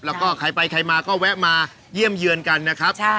แล้วก็ใครไปใครมาก็แวะมาเยี่ยมเยือนกันนะครับ